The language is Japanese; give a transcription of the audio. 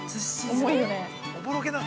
重いよね。